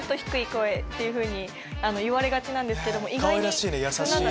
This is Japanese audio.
っていうふうに言われがちなんですけども。